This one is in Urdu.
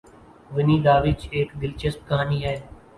ونی داوچ ایک دلچسپ کہانی ہے۔